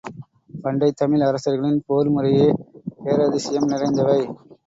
பண்டைத் தமிழ் அரசர்களின் போர் முறையே பேரதிசயம் நிறைந்தவை.